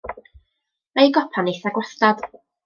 Mae ei gopa'n eitha gwastad.